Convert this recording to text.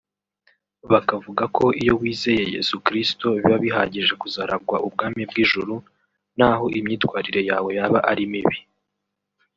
Bakavuga ko iyo wizeye Yesu Kristo biba bihagije kuzaragwa ubwami bw’ijuru naho imyitwarire yawe yaba ari mibi